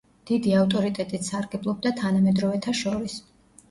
დიდი ავტორიტეტით სარგებლობდა თანამედროვეთა შორის.